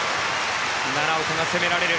奈良岡が攻められる。